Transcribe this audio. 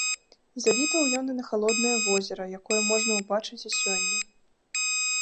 Завітваў ён і на халоднае возера, якое можна ўбачыць і сёння.